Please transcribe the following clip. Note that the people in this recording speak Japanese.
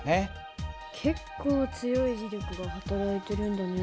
結構強い磁力がはたらいてるんだね。